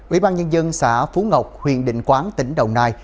ubnd tp hcm xã phú ngọc huyện định quán tỉnh đồng nai